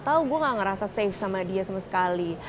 tau gue gak ngerasa safe sama dia sama sekali